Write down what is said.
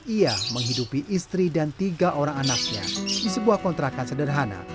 ia menghidupi istri dan tiga orang anaknya di sebuah kontrakan sederhana